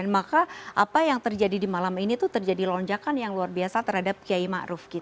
maka apa yang terjadi di malam ini tuh terjadi lonjakan yang luar biasa terhadap kiai ⁇ maruf ⁇